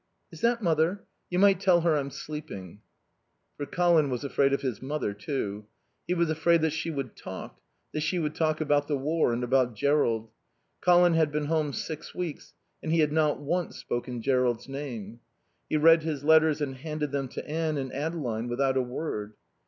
Is that mother? You might tell her I'm sleeping." For Colin was afraid of his mother, too. He was afraid that she would talk, that she would talk about the War and about Jerrold. Colin had been home six weeks and he had not once spoken Jerrold's name. He read his letters and handed them to Anne and Adeline without a word.